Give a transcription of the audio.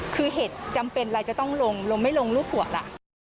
คือเหตุจำเป็นอะไรจะต้องลงลงไม่ลงรูปหัวล่ะ